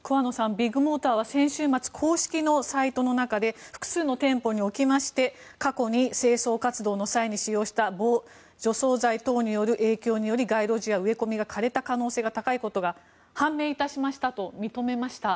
ビッグモーターは先週末公式サイトの中で複数の店舗におきまして過去に清掃活動の際に使用した除草剤等による影響により街路樹や植え込みが枯れた可能性が高いことがあると認めました。